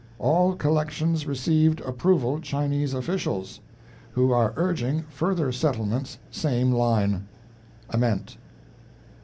All collections received approval Chinese officials, who are urging further settlements same line. AMENT."